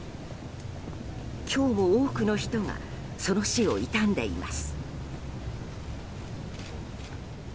今日も、多くの人がその死を悼んでいます。